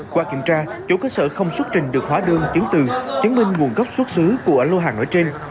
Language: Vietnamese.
qua kiểm tra chỗ cơ sở không xuất trình được hóa đường chứng từ chứng minh nguồn gốc xuất xứ của lô hàng ở trên